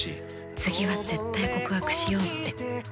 次は絶対告白しようって。